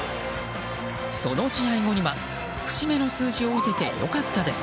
その試合後には節目の数字を打てて良かったです。